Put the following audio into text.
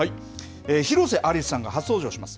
広瀬アリスさんが初登場します。